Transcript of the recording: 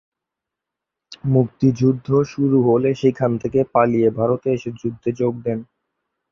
মুক্তিযুদ্ধ শুরু হলে সেখান থেকে পালিয়ে ভারতে এসে যুদ্ধে যোগ দেন।